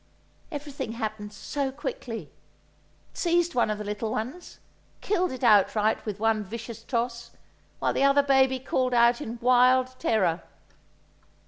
Everything happened so quickly. It seized one of the little ones, killed it outright with one vicious toss, while the other baby called out in wild terror.